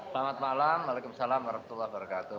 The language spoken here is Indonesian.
selamat malam waalaikumsalam warahmatullahi wabarakatuh